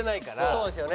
そうですよね。